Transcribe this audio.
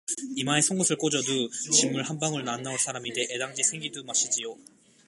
이마에 송곳을 꽂어두 진물 한 방울 안 나올 사람인데 애당지 생의두 마시지요.